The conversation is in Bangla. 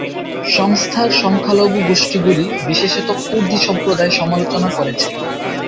সংস্থার সংখ্যালঘু গোষ্ঠীগুলি, বিশেষত কুর্দি সম্প্রদায় সমালোচনা করেছে।